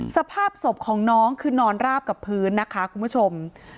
สภาพศพของน้องคือนอนราบกับพื้นนะคะคุณผู้ชม